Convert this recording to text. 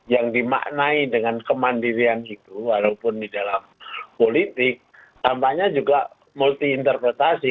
yang dimaknai dengan kemandirian itu walaupun di dalam politik tampaknya juga multi interpretasi